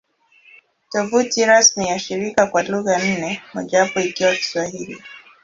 Tovuti rasmi ya shirika kwa lugha nne, mojawapo ikiwa Kiswahili